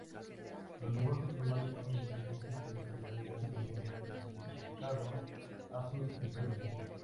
Los lenguajes formales pueden definirse sin necesidad de dar ningún significado a sus expresiones.